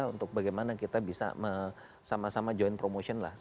untuk bagaimana kita bisa sama sama joint promotion lah